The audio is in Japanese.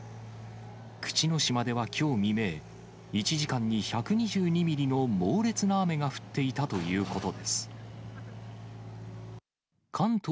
口之島ではきょう未明、１時間に１２２ミリの猛烈な雨が降っていたということです。